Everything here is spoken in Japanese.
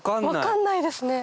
分かんないですね。